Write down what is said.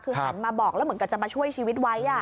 คือหันมาบอกแล้วเหมือนกับจะมาช่วยชีวิตไว้